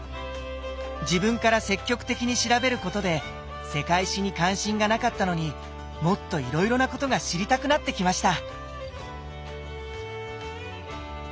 自分から積極的に調べることで世界史に関心がなかったのにもっといろいろなことが知りたくなってきました。